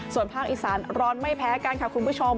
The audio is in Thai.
ส่วนภาคอีสานร้อนไม่แพ้กันค่ะคุณผู้ชม